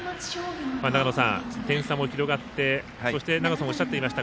点差も広がってそしておっしゃっていました